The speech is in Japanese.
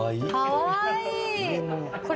かわいい！